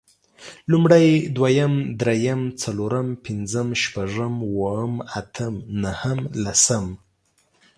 لومړی، دويم، درېيم، څلورم، پنځم، شپږم، اووم، اتم نهم، لسم